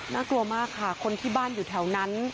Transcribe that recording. น่ากลัวมากค่ะคนที่บ้านอยู่แถวนั้น